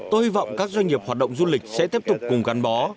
tôi hy vọng các doanh nghiệp hoạt động du lịch sẽ tiếp tục cùng gắn bó